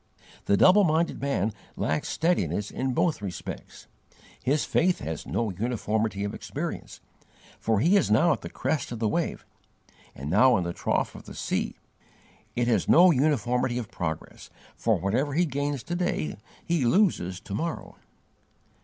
The double minded man lacks steadiness in both respects: his faith has no uniformity of experience, for he is now at the crest of the wave and now in the trough of the sea; it has no uniformity of progress, for whatever he gains to day he loses to morrow.